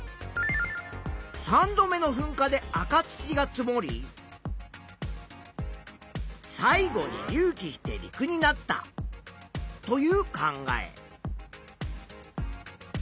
３度目のふんかで赤土が積もり最後に隆起して陸になったという考え。